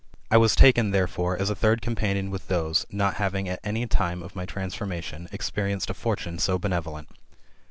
I was taken, thcfrefore, as a third companion with those: not having at any time [of my transformation], experienced a fortune so benevolent.